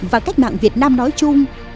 và cách mạng việt nam nói chung